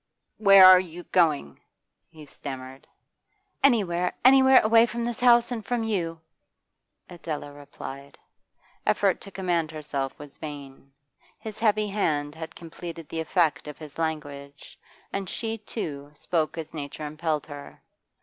'Where are you going?' he stammered. 'Anywhere, anywhere, away from this house and from you!' Adela replied. Effort to command herself was vain; his heavy hand had completed the effect of his language, and she, too, spoke as nature impelled her.